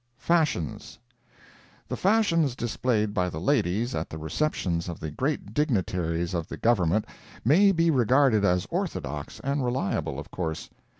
FASHIONS The fashions displayed by the ladies at the receptions of the great dignitaries of the Government may be regarded as orthodox and reliable, of course.